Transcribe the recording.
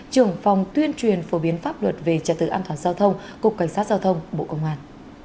trưởng phòng tuyên truyền phổ biến pháp luật về trật tự an toàn giao thông cục cảnh sát giao thông bộ công an